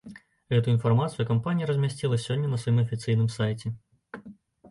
Гэтую інфармацыю кампанія размясціла сёння на сваім афіцыйным сайце.